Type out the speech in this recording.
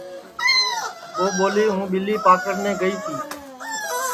ٻو ٻولی ہوں ٻیلی پاکڑنے گئی تی